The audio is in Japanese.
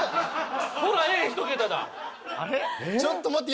ちょっと待って。